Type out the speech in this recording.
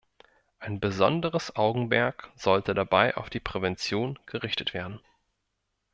Ein besonderes Augenmerk sollte dabei auf die Prävention gerichtet werden.